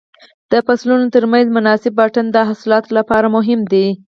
د فصلونو تر منځ مناسب واټن د حاصلاتو لپاره مهم دی.